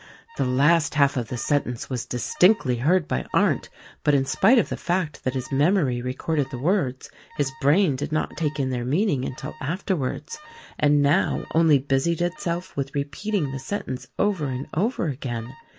The last half of the sentence was distinctly heard by Arndt; but, in spite of the fact that his memory recorded the words, his brain did not take in their meaning until afterwards — and now only busied itself with repeating the sentence over and over again.